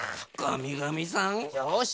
よし！